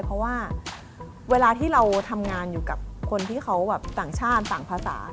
เพราะว่าเวลาที่เราทำงานอยู่กับคนที่เขาแบบต่างชาติต่างภาษา